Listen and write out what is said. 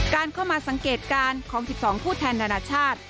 การเข้ามาสังเกตการณ์ของ๑๒ผู้แทนนานาชาติ